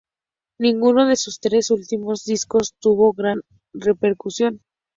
Ninguno de sus tres últimos discos tuvo gran repercusión.